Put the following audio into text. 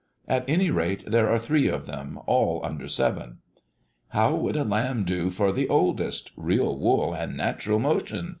At any rate there are three of them, all under seven." "How would a lamb do for the oldest? Real wool and natural motion?"